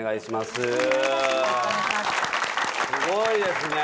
すごいですね。